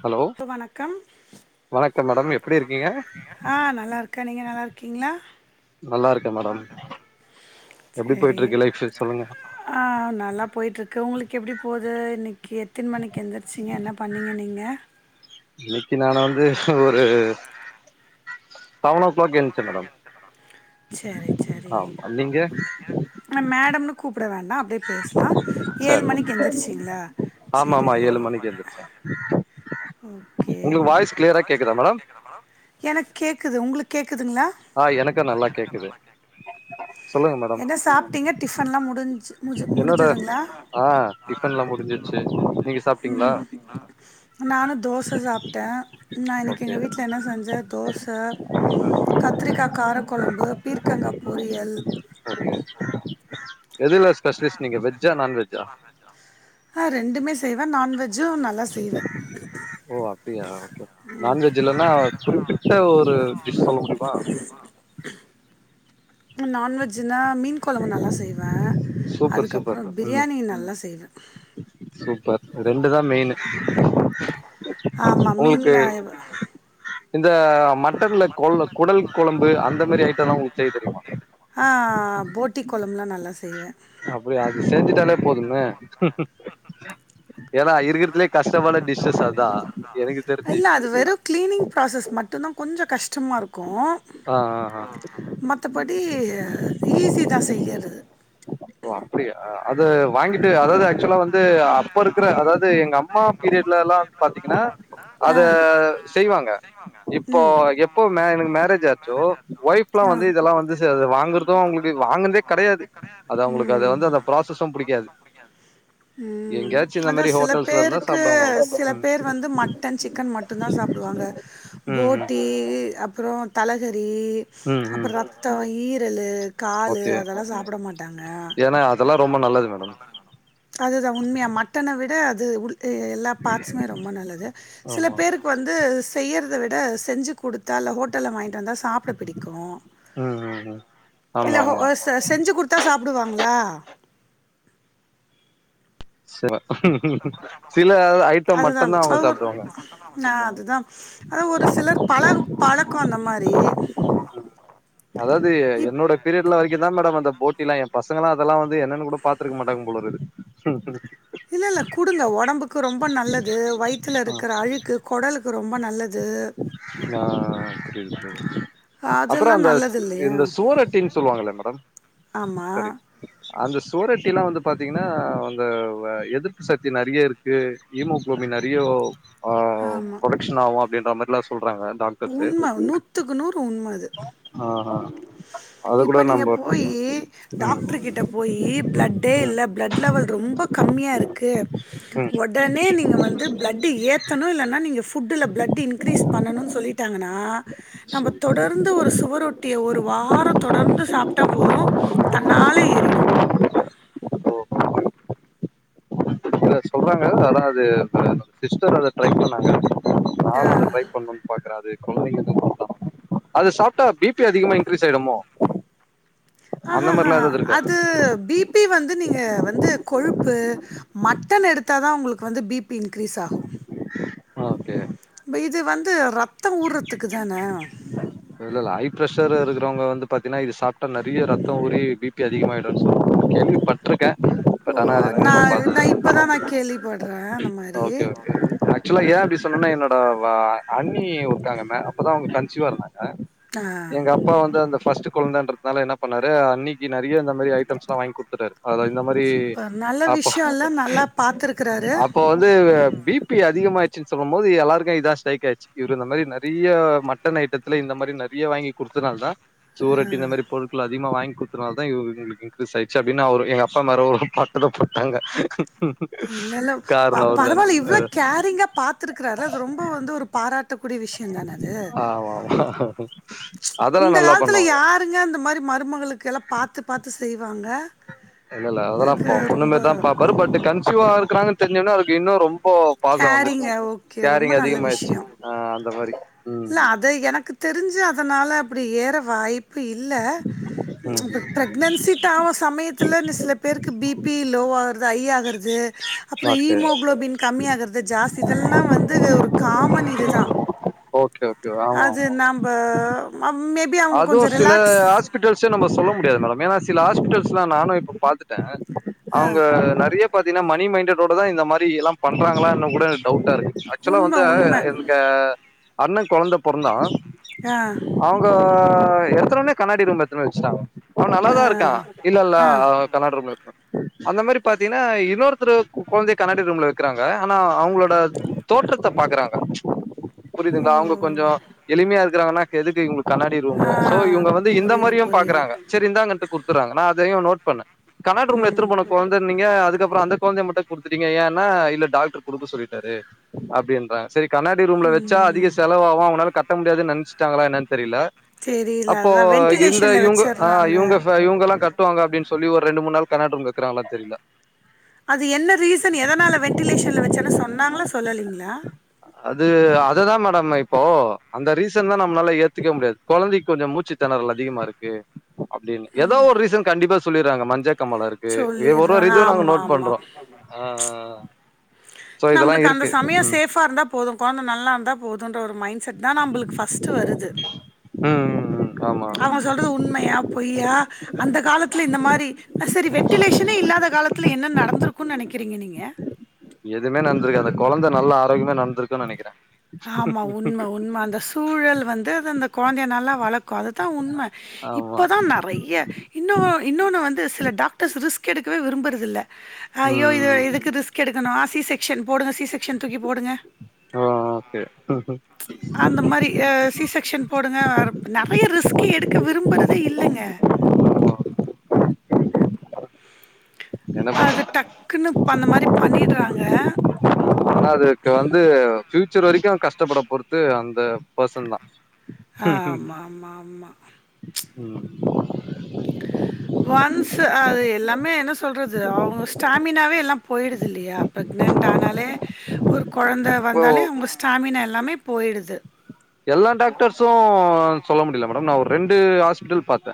Hello வணக்கம் வணக்கம் madam எப்டி இருக்கீங்க ஆ நல்லாயிருக்கே நீங்க நல்லாயிருக்கீங்களா நல்லா இருக்கே மேடம் எப்டி சரி போயிட்டு இருக்கு லைஃப் சொல்லுங்க ஆ நல்லா போயிட்டிருக்கு உங்களுக்கு எப்டி போது இன்னைக்கி எத்தின் மணிக்கி எந்திருச்சிங்க என்ன பண்ணிங்க நீங்க இன்னைக்கி நானு வந்து ஒரு செவன் ஓ கிளாக் எந்துச்சே மேடம் சரி ஆ நீங்க என்ன மேடம்னு கூப்புட வேண்டா அப்டியே பேசலா ஏழு சரி ஓகே மணிக்கு எழுந்திரிச்சிங்களா ஆமா சேரி ஆமா ஏழு செரி மணிக்கு [unintelligible] ஓகே உங்களுக்கு வாய்ஸ் கிளியரா கேக்குதா மேடம் எனக்கு கேக்குது உங்களுக் கேக்குதுங்களா ஆ எனக்கு நல்லா கேக்குது சொல்லுங்க மேடம் என்ன சாப்டீங்க டிஃபன்லா முடிஞ்சு முடி என்னோட முடிஞ்சதுங்களா ஆ டிஃபன்லா முடிஞ்சிருச்சு நீங்க சாப்ட்டீங்களா ம் நானு தோச சாப்டே நா இன்னைக்கு ஓகே எங்க வீட்டுல என்ன செஞ்சே தோச கத்திரிக்கா காரக்கொழம்பு பீர்க்கங்கா பொரியல் ஒக்கே எதுல ஸ்பெஷலிஸ்ட் நீங்க வெஜ்ஜா நான் வெஜ்ஜா ஆ ரெண்டுமே செய்வே நான்வெஜ்ஜு நல் ஓ அப்டியா ஒகே நான் வெஜ் இல்லனா குறிப்பிட்ட ஒரு டிஷ் சொல்ல முடியுமா இன்னும் நான்வெஜ் ஜின்னா மீன் கொழம்பு நல்லா செய்வே சூப்பர் சூப்பர் அதுக்கப்றோ ம் பிரியாணி நல்லா செய்வே சூப்பர் ரெண்டு தா மெயினு ஆமா மீன் உங்ளுக்கு இந்த மட்டன்ல கொல் குடல் கொழம்பு அந்த மாரி ஐட்டம்லா உங்களுக்கு செய்ய தெரியுமா? ஆ போட்டி கொலம்புலா நல்லா செய்வே அப்டியா அது செஞ்சிட்டாலே போதுமே ஏன்னா இருக்கிறதுலே கஷ்டமான டிஷ்சஸ் அதா எனக்கு தெரிஞ்சி க்ளீனிங் ப்ராசஸ் மட்டுதா கொஞ்சோ கஷ்டமி இருக்கு ஆ ஆ ஆ மத்தபடி ஈஸி தா செய்யறது ஓ அப்டியா அத வாங்கிட்டு அதாவது ஆக்சுவலா வந்து அப்போ இருக்கற அதாது எங்க அம்மா பீரியட்லல்லா பாத்தீங்கன்னா ஆ அத செய்வாங்க இப்போ ம் எப்போ மே எனக்கு மேரேஜ் ஆச்சோ வைஃப்லா ஆ வந்து இதெல்லா வந்து சிலத வாங்கறதோ அவுங்களுக்கு வாங்கன்தே கெடையாது அது ம் அவுங்களுக்கு அது வந்து அந்த ப்ராசஸும் புடிக்காது ம் எங்கயாச்சு இந்த அதா மாரி சில ஹோட்டல்ஸ்ல இருந்தா பேருக்கு சாப்டுவாங்க சில ம் பேர் வந்து மட்டன் சிக்கன் மட்டு தா சாப்புவாங்க ம் ம் போட்டி அப்புறோ தலகறி ம் அப்புறோ ம் ரத்தோ ஈரலு காலு ஓகே அதெல்லா சாப்பட மாட்டாங்க ஏன்னா அதெல்லா ரொம்ப நல்லது மேடம் அதுதா உண்மையா மட்டன விட அது உ கு எல்லா பார்ட்ஸுமே ரொம்ப நல்லது சில ஆமா பேருக் வந்து செய்யறத விட செஞ்சு குடுத்தா இல்ல ஹோட்டல்ல வாங்கிட்டு வந்தா சாப்ட பிடிக்கு ம் ம் ம் இல்ல ஆமா ஆமா செஞ்சு குடுத்தா சாப்டுவாங்ளா சிவ சில ஐட்டம் அதுதான் மட்டுந்தா அவங்க அது ஒரு சாப்டுவாங்க ஆ அதுதா அத ஒரு சிலர் பழ பழக்கம் அந்த மாரி அதாவது இப் என்னோட பீரியட்ல வரைக்கும்தா மேடம் அந்த போட்டிலா பசங்களா அதெல்லா வந்து என்னன்னு கூட பாத்துருக்க மாட்டாங்கு போல இருக்குது இல்ல இல்ல குடுங்க உடம்புக்கு ரொம்ப நல்லது வயித்துல ஆ இருக்கிற அழுக்கு குடலுக்கு ரொம்ப நல்ல து ஆ புரிது புரிது அப்புற அதெல்லாம் அந்த நல்லது இல்லையா? இந்த சுவரட்டின்னு சொல்லுவாங்கள மேடம் ஆமா சரி அந்த சுவரொட்டி எல்லாம் வந்து பாத்தீங்கனா அந்த எதிர்ப்பு சக்தி நறைய இருக்கு ஹுமோகுளோபின் நறையோ ஆ ஆமா ஷன் ஆகு அப்டின்ற மாரிலாம் சொல்றங்க டாக் உண்ம நூத்துக்கு நூறு உண்ம அது ஆ ஆ அது கூட இப்ப நீங்க நம்ம போயி ம் டாக்ரு கிட்ட போயி பிளட்டே ம் இல்ல பிளட் லெவல் ரொம்ப கம்மியா இருக்கு ம் உடனே நீங்க வந்து பிளட்டு ஏ த்தனு இல்லன்னா நீங்க ஃபுட்ல பிளட்டு இன்கிரீஸ் பண்ணுன் சொல்லிட்டாங்கன்னா நம்ப சரி தொடர்ந்து ஒரு சுவரொட்டிய ஒரு வாரம் தொடர்ந்து சாப்டா போது தன்னாலே ஏறிடு சிலர் சொல்றாங்க அதா அது சிஸ்டர் அத ட்ரை பண்ணாங்க ஆ நானு அத ட்ரை பண்ணணுன் பாக்குற அது கொழந்தைங்களுக்கு குடுத்தா அது சாப்டா பி பி அதிகமா இன்கரீஸ் ஆயிடுமோ அந்த ஆஹா ஹ மாரிலா ஹ ஏதாவது இருக்கா அது பி பி வந்து நீங்க வந்து கொழுப்பு மட்டன் எடுத்ததா உங்களுக்கு வந்து பி பி இன்கிரீஸ் ஆகு ஓகே நம்ப இது வந்து ரத்தம் ஊறதுக்கு தான இல்ல ஹய் ப்ரெஷர் இருக்குறவங்க வந்து பாத்தீனா இது சாப்டா நறைய ரத்தம் ஊறி பி பி அதிகமாயிடுன் சொல்லுவாங்க கேள்வி பட் ட்ருக்க ஓ நா நா இப்பதா நா கேள்விப்படுறே அந்த மாரி ஓகே ஓகே ஆக்சுவலா ஏன் அப்படி சொன்னோனா என்னோட அண்ணி இருக்காங்க மே அப்பதா அவங்க கன்ச்சிவா இருந்தாங்க ஆ எங்க அப்பா வந்து அந்த ஃபஸ்ட்டு கொழந்தைன்றதுனால என்ன பண்ணாரு அண்ணிக்கி நறைய இந்த மாரி ஐட்டம்ஸ்லாம் வாங்கி குடு த்தாரு இந்த மாரி சூப்பர் நல்ல அப்போ விஷயம்ல நல்லா பார்த்துருக்குறாரு அப்போ வந்து பி பி அதிகமாயிடுச்சு சொல்லும் போது எல்லாருக்கு இதா ஸ்ரைக் ஆச்சு இவரு இந்த மாரி நறைய மட்டன் ஐட்டத்துல இந்த மாரி நறைய வாங்கி குடுத்தனால தா சூவரொட்டி இந்த மாரி பொரு ள் அதிகமா வாங்கி குடுத்தனால தா இவுங்ளுக்கு ஸ் ஆயிச்சு அப்டின்னு அவரு எங்க அப்பா மேல ஒரு பாட்டத போட்டாங்க இல்ல இல்ல காரணோ அவரு தான்ட்டு பரவாயில்ல இவ்ளோ கேரிங்கா பாத்துருக்கிறாருல அது ரொம்ப வந்து ஒரு பாராட் ட கூடிய விஷயம் தான அது ஆமா ஆமா அதெல்லா இந்த நல்லா காலத்துல பண்ணுவாங்க யா ருங்க இந்த மாரி மருமகளுக்கு எல்லா பார்த்து பார்த்து செய்வாங்க இல்ல இல்ல அதெல்லா இதுக்கு பொண்ணு ரொம்ப மேரி தா பாப்பாரு பட் கன்சிவா இருக்குறாங்கன்னு தெரிஞ்சோன்னே அவருக்கு இன்னு ரொ ம்போ பாசம் கேரிங்க வந்துரச்சு ஓகே ரொம்ப கேரிங் நல்ல அதிகமாயிடுச்சு விஷயம் ஆ அந்த மாரி இல்ல, அது எனக்கு தெரிஞ்சு அதனால அப்டி ஏற வாய்ப் பு இல்ல ம் இப்ப பிரெக்னன்சி டாவ சமயத் த்லன்னு சிலப் பேருக்கு பி பி லோவாகறது ஐ ஆகறது அப்ற ஓகே ஹீமோகுளோபின் க ம்மியாகிறது ஜாஸ்தி இதெல்லா வந்து ஒரு காமன் இதுதா ஓகே ஓகே ஆமா ஆமா அதுன் நாம்ப மாம் மேப் அதுவு சில ஹாஸ்பிட்டல்ஸ் ச்ச நம்ம சொல்ல முடியாது மேடம் ஏனா சில ஹாஸ்பிட்டல்ஸ்லா நானு இப்ப பாத்துட்டே ஆ அவுங்க நெறையப் பாத்தீங்னா மணி மைண்ட்டோடதா இந்த மாரி எல்லாம் பண்றாங்களான்னு கூட டவுட்டாருக்கு ஆக்சுலா உண்ம, வந்து உண்ம. எனக்கு அண்ணங் கொழந்தப் பொறந்தா ஆ கோ எத்துனோனே கண்ணாடி ரூமு எத்துனு போய் வச்ட்டா அவன் ஆ, நல்லாதா இருக்கா இல்ல இல்ல ஆ. அ கண்ணாடி ருும்ல வெக்னு அந்த மேரி பாத்தீங்னா இன்னொருத்தரு கொழந்தைய கண்ணாடி ரூம்ல வக்றாங்க ஆனா அவுங்களோட தோற்றத்த பாக்கறாங்க ஆஹ புரிதுங்ளா அவுங்க கொஞ்சோ எளிமியா இருக்கிறாங்கன்னாக் எதுக்கு இவுங்ளுக் கண்ணாடி ரூமு ஆ சோ இவுங்க வந்து இந்த புரியுது, மாரியும் புரியுது. பாக்கறாங்க செரி இந்தாங்கன்ட்டு குடுத்தறாங்க நா அதையு நோட் பண்ணே கண்ணாடி ரூம்ல ம். எத்துனு போன கொழந்தத் நீங்க அதுக்கப்ற அந்தக் கொழந்தைய மட்டு குடுத்துட்டீங்க ஏன்னா இல்ல டாக்ட்ரு குடுக்க சொல்லிட்டாரு அப்டின்றாங்க செரி கண்ணாடி ரூம்ல வெச்சா அதிக செலவாவு அவனால கட்ட முடியாதுன் நென்ச்சிட்டாங்களா என்னன் தெரில தெரியல. அப்போ அதுதான் இந்த வென்டிலேஷன்ல இவுங்க ஆ வச்சர்றாங்க. இவுங்க ஃபே இவுங்கலா கட் ட்டுவாங்க அப்டின் சொல்லி ஒரு ரெண்டு மூன் நாள் கண்ணாடி ரூம்ல வெக்கறாங்ளா தெரில அது என்ன ரீசன் எதனால வென்டிலேஷன்ல வச்சேனு சொன்னாங்ளா சொல்லலைங்ளா அது அதுதாம் மேடம் இப்போ அந்த ரீசன்தா நம்ளால ஏத்துக்வே முடியாது கொழந்தைக் கொஞ்சம் மூச்சுத் தெனறல் அதிகமாருக்கு அப்டினு எதோ ஒர் ரீசன் கண்டிப்பா சொல்லிர்றாங்க மஞ்சக்காமாலருக்கு வே ஒரு ஒரு இதுவு நாங்க நோட் பண்றோ மா அ அ அ நம்ளுக்கு அந்த சமய சேஃபா இருந்தா போது கொழந்த நல்லாந்தா போதுன்ற ஒரு மைண்ட் செட்தா நம்புளுக்கு பஸ்ட்டு வருது ம் ம் ம் ஆமா அவங்கச் சொல்றது உண்மையாப் பொய்யா அந்த காலத்ல இந்த மாரி செரி வெண்டிலேஷனே இல்லாத காலத்ல என்ன நடந்திருக்குன் நெனைக்கிறீங்க நீங்க எதுமே நந்திருக்க அந்தக் கொழந்த நல்லா ஆரோக்யமா நட்ந்திருக்குன்னு நெனைக்கிறே ஆமா உண்ம உண்ம அந்த சூழல் வந்து அது அந்தக் கொழந்தைய நல்லா வளக் கு அதுதா உண்ம ஆமா இப்பதா நெறைய்ய இன்னொ இன்னொன்னு வந்து சில டாக்டர்ஸ் ரிஸ்க் எடுக்கவே விரும்பறதில்ல ஐயோ இது ம் இதுக்கு ரிஸ்க் கெடுக்கணு ஆ சி செக்க்ஷன் போடுங்க சி செக்க்ஷன் தூக்கி போடுங்க ஒ அந்த மாரி அ சி செக்க்ஷன் போடுங்க அர்ப் நெறய ரிஸ்க்கு எடுக்க விரும்பறதே இல்லங்க என்ன அது டக்குன்னுப் அந்த மாரி பண்ணிட்றாங்க ஆனா அதுக்கு வந்து ஃபியூச்சர் வரைக்கு கஷ்டபட பொருத்து அந்த பர்சன்தா அ மாம்மாம்மா ம் ஒன்ஸ் அது எல்லாமே என்ன சொல்றது அவ்ங்க ஸ்டாமினாவே எல்லா போயிடுது இல்லையா ப்ரெக்னன்ட் ஆனாலே ஒரு கொழந்த இப்போ வந்தாலே அவ்ங்க ஸ்டாமினா எல்லாமே போயிடுது எல்லா டாக்டர்ஸு சொல்ல முடிய்ல மேடம் நா ஒரு ரெண்டு ஹாஸ்பிட்டல் பாத்தே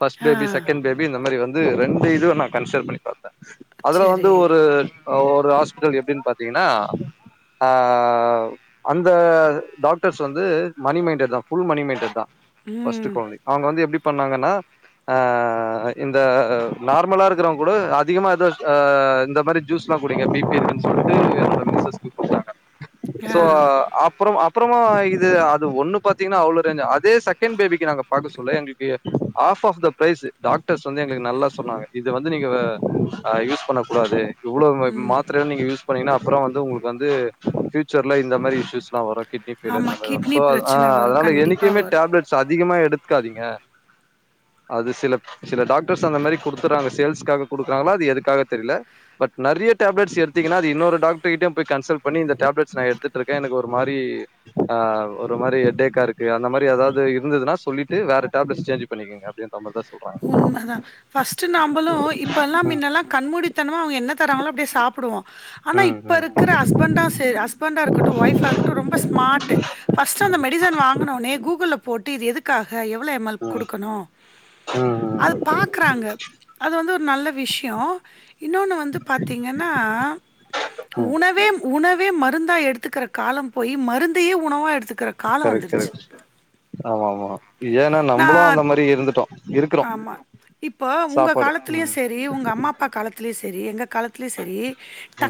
ஃபஸ்ட் ஆ, பேபி செகண்ட் பேபி இந்த மாரி வந்து ரெண்டு இதுவு நா கன்சிடர் பண்ணி பாத்தே அதுல வந்து சரி. ஒரு அ ஒரு ஹாஸ்பிட்டல் எப்டின் பாத்தீங்கனா ஆ அந்த டாக் க்டர்ஸ் வந்து மனி மெய்ன்டட் தா ஃபுல் மனி மெய்ன்டட் தா ஃபஸ்ட்டு ம். கொழந்தைக்கு அவ்ங்க வந்து எப்டி பண்ணாங்கனா ஆ இந்த நார்மலா இருக்கிறவ்ங்க கூட அதிகமா எதோஸ் ஆ இந்த மாரி ஜூஸ்லா குடிங்க பி பி இருக்குனு சொல்ட்டு என்னோட மிஸ்சஸ்கு குடுத்தாங்க ஆ. சோ அப்பற அப்ப ப்றமா இது அது ஒன்னு பாத்தீங்கனா அவ்ளோ ரேஞ்சா அதே செகண்ட் பேபிக்கு நாங்க பாக்க சொல்ல எங்களுக்கு a half of the price doctors வந்து எங்களுக்கு நல்லா சொன்னாங்க இத வந்து நீங்க அ யூஸ் பண்ண கூடாது இவ்ளவு மாத்தரைலா நீங்க யூஸ் பண்ணீங்கனா அப்றோ வந்து உங்களுக்கு வந்து ஃபியூச்சர்ல இந்த மாரி இஷ்யூஸ்லா வரு இஃப் இத ஆமா [unintelligible] கிட்னி சோ அது ஆ பிரச்சனை வரும். அதனால கண்டிப்பா என்னைக்குமே வரும். டேப்லட்ஸ் அதிகமா எடுக்காதீங்க அது சில சில டாக்டர்ஸ் அந்த மாரி குடுத்துறாங்க சேல்ஸ்க்காக குடுக்குறாங்களா அது எதுக்காக தெரில பட் நெறையா டேப்லட்ஸ் எடுத்தீங்கனா அது இன்னொரு டாக்டர்கிட்டயு போய் கன்சல்ட் பண்ணி இந்த டேப்லட்ஸ் நா எடுத்துட்ருக்கே எனக்கு ஒரு மாரி ஆ ஒரு மாரி ஹெட்டேக்கா இருக்கு அந்த மாரி எதாவ்து இருந்ததுனா சொல்லிட்டு வேற டேப்லெட்ஸ் சேஞ்ச் பண்ணிக்குங்க ப்டியே நம்மதா சொல்றாங் உண்மதா ஃபஸ்ட்டு நம்மளு இப்பலா ம் மின்னெல்லா கண்மூடித்தனமா அவ்ங்க என்ன தராங்களோ அப்டியே சாப்டுவோ ஆனா ம் இப்ப ம் இருக்கிற ஹஸ்பண்டா சேரி அஸ் பண்டா இருக்கட்டு ஒய்ஃபா இருக்கட்டு ரொம்ப ஸ்மாட்டு ஃபஸ்ட்டு அந்த மெடிசன் வாங்குனோனே கூகுல்ல போட்டு இது எதுக் க்காக எவ்ள எம் எல் குடுக்கணு ம் ம் அது ஓகே பாக்குறாங்க அது வந்து ஒரு நல்ல விஷ்யோ இன்னொன்னு வந்து பாத்தீங்கன்னா ம் உணவேம் உணவ் வே மருந்தா எடுத்துக்கிற காலம் போய் மருந்தயே உணவா எடுத்துக்கிறக் கரெக்ட் கரெக்ட் ஆமாம்மா ஏனா நம்பளு நான் அந்த மாரி இருந்துட்டோ இருக்குறோ ஆமா இப்போ உங்க சாப்பாடு காலத்லயு ம் செரி உங்க அம்மா அப்பா காலத்லயு செரி எங்க காலத் லயு செரி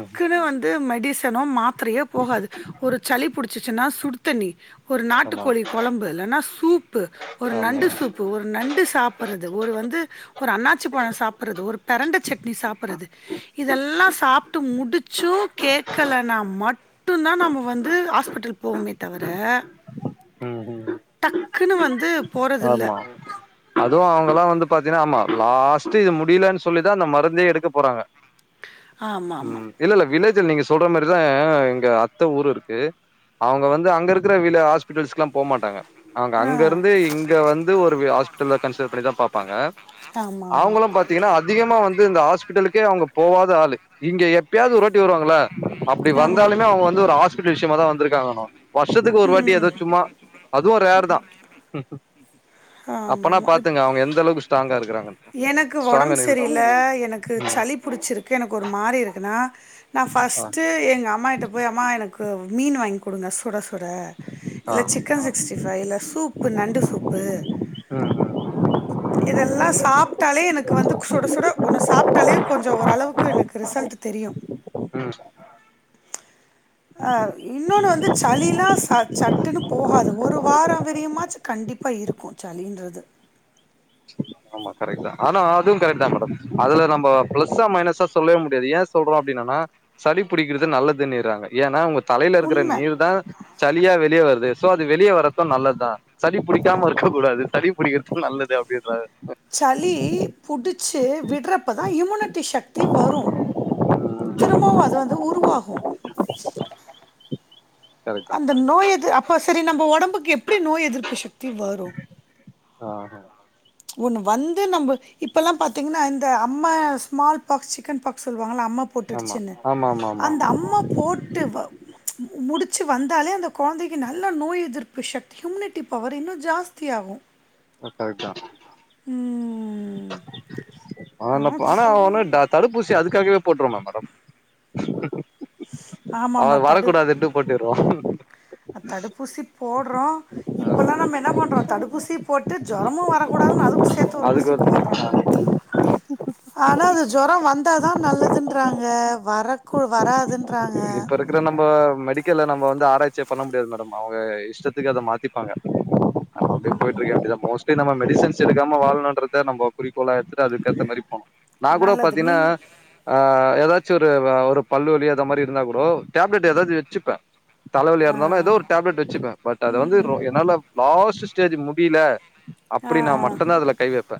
ம் வந்து மெடிசனோ மாத்ரயோ போகாது ஒருச் சளி புடிச்சு ச்சுனா சுடுத்தண்ணி ஒரு ஆமா நாட்டுக்கோழி கொழம்பு இல்லனா சூப்பு ஒரு ஆமா நண்டு சூப் பு ஒரு நண்டு சாப் ப்பறது ஒரு வந்து ஒரு அண்ணாச்சி பழ சாப்புறது ஒரு பெரண்ட சட்னி சாப்புறது இதெல்லா சாப்ட்டு முடிச்சு கேக்கலனா மட் டுந்தா நம்ம வந்து ஹாஸ்பிட்டல் போவமே தவர ம் ம் டக்குன்னு வந்து போறதில்ல ஆமா அதுவு அவ்ங்களா வந்து பாத்தீனா ஆமா லாஸ்ட்டு இது முடியலன் சொல்லிதா அந்த மருந்தே எடுக்க போறாங்க ஆமா ஆமா ம் இல்ல இல்ல வில்லேஜ்ல நீங்க சொல்ற மாரிதா எங்க அத்த ஊரு இருக்கு அவ்ங்க வந்து அங்க இருக்குற வில ஹாஸ்பிட்டல்ஸ்க்குல போ மாட்டாங்க அவ்ங்க அங்க ஆ இருந்து இங் ங்க வந்து ஒரு வெ ஹாஸ்பிட்டல கன்சிடர் பண்ணிதா பாப்பாங்க ஆமா ஆமா அவ்ங்களு பாத்தீங்கனா அத் அதிகமா வந்து இந்த ஹாஸ்பிட்டலுக்கே அவ்ங்க போவாத ஆளு இங்க எப்பயாவ்து ஒரு வாட்டி வருவாங்கள அப்டி ஆமா வந்தாலுமே அவ்ங்க வந்து ஒரு ஹாஸ்பிட்டல் விஷ்யமா தா வந்திருக்காங்கனு வர்ஷத்துக்கு ஒரு வாட்டி எதோ சும்மா அதுவு ரேர் தா ஹாமா அப்பனா ஆமா எப் பாத்துங்க அவங்க எந்த அளவுக்கு ஸ்ட்ராங்கா இருக்கிறாங்கன்ட்டு எனக்கு ஸ்ட்ராங்கா ஒடம்பு நிறுத் சரியில்ல எனக்கு ம் சளிப் பிடிச்சிருக்கு எனக்கு ஒரு மாரி இருக்குனா நா ஆ ஃபஸ்ட்டு எங்க அம்மா கிட்ட போய் அம்மா எனக்கு மீன் வாங்கி குடுங்க சுட சுட ஆ இல்ல சிக்கன் சிக்ஸ்டிஃப் ரைல சூப்பு நண்டு சூப்பு ம் ம் இதெல்லா சாப்டாலே எனக்கு வந்து சுட சுட ஒன்னு சாப்டாலே கொஞ்சோ ஓரளவுக்கு எனக்கு ரிசல்ட்டு தெரியு ம் ஆ இன்னொனு வந்து சளிலா ச சட்டுனு போகாது ஒரு வாரோ வறியுமாச்சு கண்டிப்பா இருக்கு சளின்றது ஆ ஆமா கரெக்ட் தா ஆனா அதுவு கரெக்ட் தா மேடம் அதுல நம்போ பிளஸ்ஸா மைனஸா சொல்லவே முடியாது ஏன் சொல்றோ அப்டின்னனா சளி பிடிக்கிறது நல்லதுனுனிறாங்க ஏனா உங்க தலேல இருக்குற உண்ம நீர் தா சளியா வெளிய வருது சோ அது வெளிய வரது நல்லதா சளி புடிக்காம இருக்க கூடாது சளி புடிக்கிறதுகு நல்லது அப்டின்றாங்க சளி புடிச்சு விட்றப்ப தா இம்யூனிட்டி சக்தி வரு திரும்பவு அது வந்து உருவாகு கரெக் இந்த நோயது அப்போ செரி நம்மோ ஒடம்புகு எப்டி நோய் எதிர்பு சக் தி வரு ஆ ஒன்னு வந்து நம்ப இப்பல்லா பாத்தீங்கனா இந்த அம்ம ஸ்மால் பாக்ஸ் சிக்கன் பாக்ஸ் சொல்லுவாங்கள அம்மப் ஆமா போட்டுடுச்சுன்னு ஆமா ஆமா ஆமா அந்த அம்மா போட்டு வ முடி சு வந்தாலே அந்த கொழந்தைக்கு நல்ல நோய் எதிர்ப்பு சக்தி ஹியூமினிட்டி பவர் இன்னு ஜாஸ்திய ஆகு ரொம்ப கரெக்ட் தா ம் ஆனப் ஆனா அவே ஒண்ணு டா தடுப்பூசி அதுக்காகவே போட்டுருமா மேடம் ஆமாம் அவர் ஆமாம் வரக்கூடாதுன்ட்டு போட்டுறோ அ தடுப்பூசி போடுறோ இப்பல்லா நம்ம என்ன பண்றோ தடுப்பூசி போட்டு ஜூரமு வரக்கூடாதுனு அதுக்கு சேத்து ஒரு அதுக்கு ஊசி போடுறோ ஒரு ஆனா அது ஜூரோ வந்தாதா நல்லதுன்றாங்க வர கூ வராதுன்றாங்க கிற நம்ம மெடிக்கல்ல நம்ம வந்து ஆராய்ச்சியா பண்ண முடியாது மேடம் அவுங்க இஷ்டத்துக்கு அத மாத்திப்பாங்க அ அப்டி போயிட்ருகே அப்டிதா மோஸ்லி நம்ம மெடிசன்ஸ் சு எடுக்காம வாழணுன்றத நம்போ குறிக்கோளா எடுத்துட்டு அதுக்கேத்த மாரி போனு நா கூட நல்லது பாத்தீனா நீங் ஆ ஏதாச்சு ஒரு அ ஒரு பல்லு வலி அத மாரி இருந்தா கூடோ டேப்லெட் ஏதாது வச்சுப்பே தலவலியா இருந்தாலு ஏதோ ஒரு டேப்லெட் வச்சுப்பே பட் அத வந்து ரொ என்னால லாஸ்டு ஸ்டேஜு முடியில அப்டி நா மட்டுதா அதுல கை வப்பே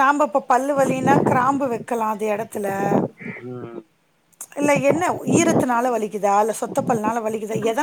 நாம இப்ப பல்லு வலினா கிராம்பு வக்கலா அது எடத்துல ம் இல்ல என்ன உ ஈரத்தினால வலிக்குதா இல்ல சொத்த பல்னால வலிக்குதா எத